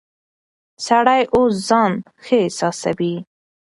سړی اوس ځان ښه احساسوي.